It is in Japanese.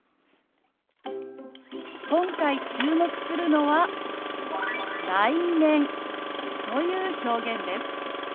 今回注目するのは「来年」という表現です。